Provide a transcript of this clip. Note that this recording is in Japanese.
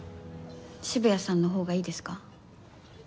渋谷さんのほうがいいですか？